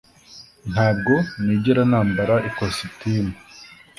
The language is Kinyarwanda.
Ntabwo nigera nambara ikositimu